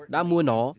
đã mua nó